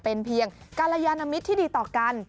เป็นเพียงกรยานมิตรที่ดีต่อกัน